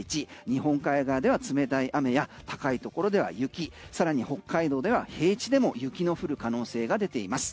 日本海側では冷たい雨や高いところでは雪さらに北海道では平地でも雪の降る可能性が出ています。